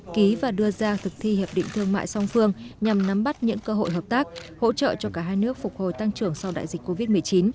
ký và đưa ra thực thi hiệp định thương mại song phương nhằm nắm bắt những cơ hội hợp tác hỗ trợ cho cả hai nước phục hồi tăng trưởng sau đại dịch covid một mươi chín